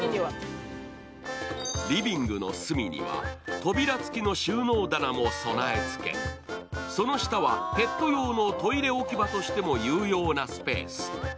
リビングの隅には扉付きの収納棚も備えつけその下は、ペット用のトイレ置き場としても有用なスペース。